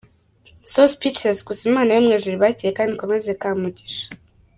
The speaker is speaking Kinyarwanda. So speechless gusa Imana yo mwijuru ibakire kandi ikomeze kamugisha.